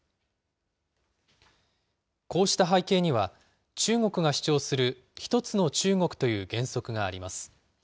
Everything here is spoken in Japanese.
こうした背景には、中国が主張する１つの中国という原則があります。